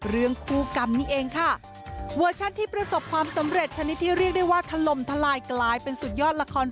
เรื่องคู่กรรมนี่เองค่ะเวอร์ชันที่ประสบความสำเร็จชนิดที่เรียกได้ว่าถล่มทลายกลายเป็นสุดยอดละคร